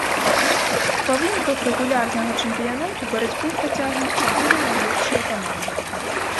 Па выніках рэгулярнага чэмпіянату барацьбу працягнуць чатыры найлепшыя каманды.